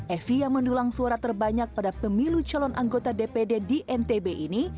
evi yang mendulang suara terbanyak pada pemilu calon anggota dpd di ntb ini